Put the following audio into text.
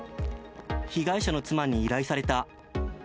被害者の妻に依頼された。